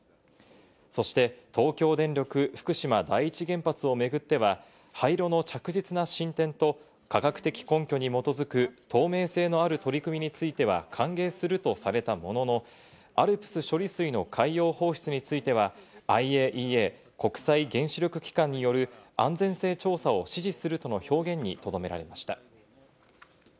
そして東京電力・福島第一原発をめぐっては、廃炉の着実な進展と科学的根拠に基づく透明性のある取り組みについては、歓迎するとされたものの、ＡＬＰＳ処理水の海洋放出については、ＩＡＥＡ＝国際原子力機関による安全性調査を指示するとの表現にとどめられました。